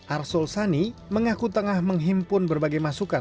arsul sani mengaku tengah menghimpun berbagai masukan